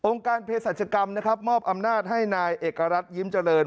องค์การเพศสัจกรรมมอบอำนาจให้นายเอกรัฐยิ้มเจริญ